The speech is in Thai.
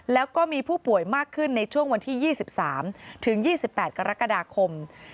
แล้วก็มีผู้ป่วยมากขึ้นในช่วงวันที่๒๓ถึง๒๘กรกฎาคม